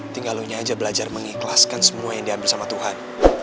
tinggal lo nya aja belajar mengikhlaskan semua yang diambil sama tuhan